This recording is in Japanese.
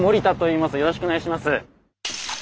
よろしくお願いします。